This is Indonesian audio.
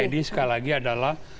pak edi sekali lagi adalah